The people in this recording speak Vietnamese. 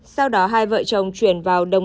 sau đó hai vợ chồng chuyển vào đồng